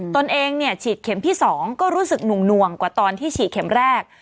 ตนเองฉีดเข็มที่๒ก็รู้สึกหน่วงกว่าตอนที่ฉีดเข็มแรก